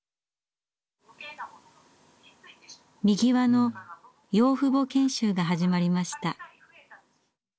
みぎわの養父母研修が始まりました。